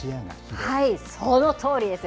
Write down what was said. そのとおりです。